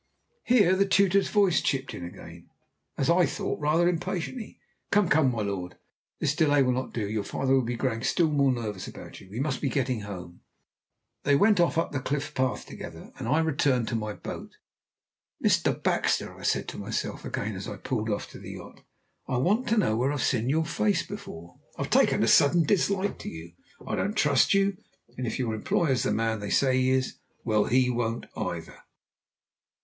Here the tutor's voice chipped in again, as I thought, rather impatiently. "Come, come, my lord. This delay will not do. Your father will be growing still more nervous about you. We must be getting home!" Then they went off up the cliff path together, and I returned to my boat. "Mr. Baxter," I said to myself again as I pulled off to the yacht, "I want to know where I've seen your face before. I've taken a sudden dislike to you. I don't trust you; and if your employer's the man they say he is, well, he won't either."